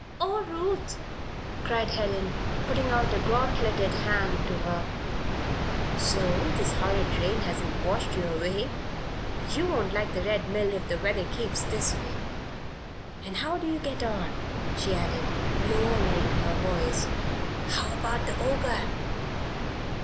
"Oh, Ruth!" cried Helen, putting out a gauntleted hand to her. "So this horrid rain has not washed you away? You won't like the Red Mill if the weather keeps this way. And how do you get on?" she added, lowering her voice. "How about the Ogre?"